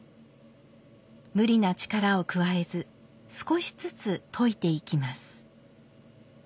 無理な力を加えず少しずつといていきます。